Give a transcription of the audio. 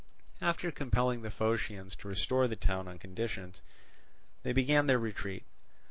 After compelling the Phocians to restore the town on conditions, they began their retreat.